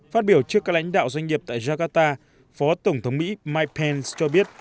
phát biểu trước các lãnh đạo doanh nghiệp tại jakarta phó tổng thống mỹ mike pence cho biết